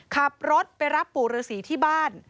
ขับรถไปรับปู่ฤษีที่บ้าน